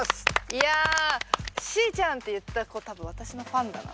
いやあ「しーちゃん」って言った子多分私のファンだな。